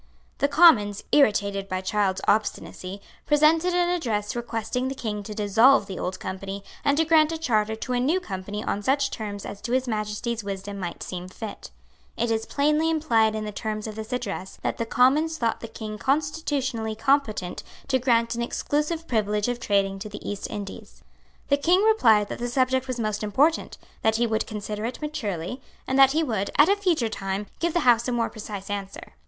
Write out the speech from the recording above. The Commons, irritated by Child's obstinacy, presented an address requesting the King to dissolve the Old Company, and to grant a charter to a new Company on such terms as to His Majesty's wisdom might seem fit. It is plainly implied in the terms of this address that the Commons thought the King constitutionally competent to grant an exclusive privilege of trading to the East Indies. The King replied that the subject was most important, that he would consider it maturely, and that he would, at a future time, give the House a more precise answer.